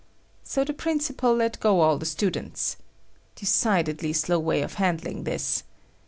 So the principal let go all the students. Decidedly slow way of handling, this.